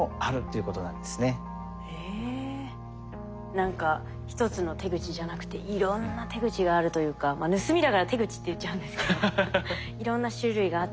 何か１つの手口じゃなくていろんな手口があるというかまあ盗みだから「手口」って言っちゃうんですけど。